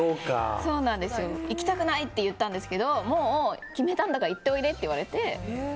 行きたくないって言ったんですけどもう決めたんだから行っておいでって言われて。